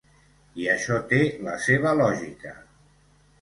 I això té la seva lògica.